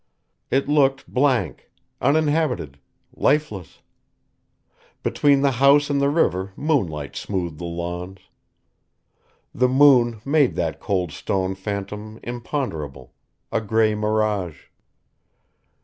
It looked blank, uninhabited, lifeless. Between the house and the river moonlight smoothed the lawns. The moon made that cold stone phantom imponderable, a grey mirage.